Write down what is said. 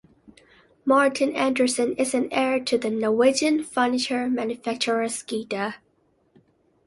Martin Andresen is an heir to the Norwegian furniture manufacturer Skeidar.